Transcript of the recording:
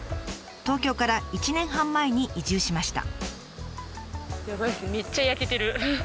東京から１年半前に移住しました。